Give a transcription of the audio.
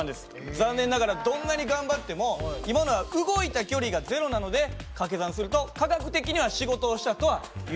残念ながらどんなに頑張っても今のは動いた距離が０なのでかけ算すると科学的には仕事をしたとは言えなくなってしまうんですね。